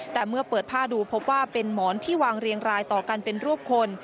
แต่เมื่อเปิดผ้าดูพบว่าเป็นหมอนที่วางเรียงรายต่อกันเป็นรูปคน